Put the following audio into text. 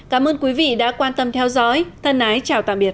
cảm ơn quý vị đã quan tâm theo dõi thân ái chào tạm biệt